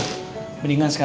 gue sudah kita nyokap